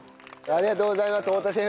ありがとうございます。